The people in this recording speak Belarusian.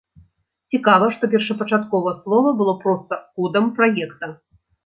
Цікава, што першапачаткова слова было проста кодам праекта.